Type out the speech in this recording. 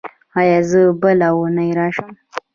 ایا زه بله اونۍ راشم؟